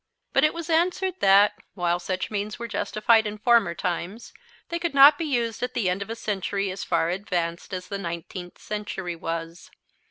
But it was answered that, while such means were justified in former times, they could not be used at the end of a century as far advanced as the nineteenth century was.